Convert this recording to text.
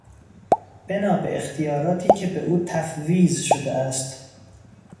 بنابه اختیاراتی که به او تفویض شده است